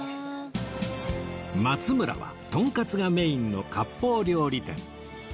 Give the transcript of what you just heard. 松村はとんかつがメインの割烹料理店